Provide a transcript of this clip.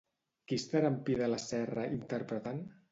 Qui estarà amb Pi de la Serra interpretant?